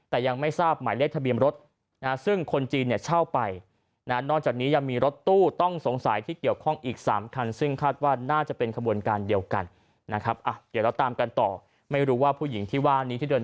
แต่ยังไม่ทราบหมายเลขทะเบียมรถซึ่งคนจีนเช่าไป